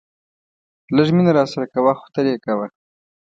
لږ مینه راسره کوه خو تل یې کوه.